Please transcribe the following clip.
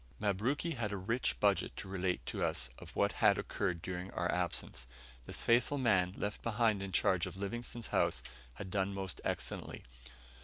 Mabruki had a rich budget to relate to us, of what had occurred during our absence. This faithful man, left behind in charge of Livingstone's house, had done most excellently.